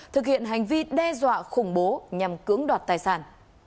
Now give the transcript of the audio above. thực hiện hành vi đe dọa khủng bố nhằm cưỡng đoạt tài sản